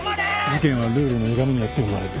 事件はルールのゆがみによって生まれる。